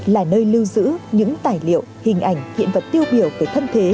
là nơi lưu giữ những tài liệu hình ảnh hiện vật tiêu biểu về thân thế